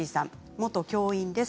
元教員です。